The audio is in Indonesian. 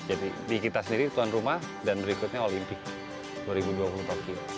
di kita sendiri tuan rumah dan berikutnya olimpik dua ribu dua puluh pagi